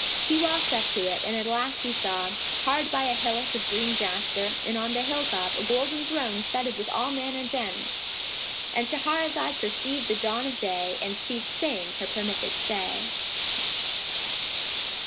He walked up to it and at last he saw, hard by a hillock of green jasper and on the hill top, a golden throne studded with all manner gems,—And Shahrazad perceived the dawn of day and ceased saying her permitted say.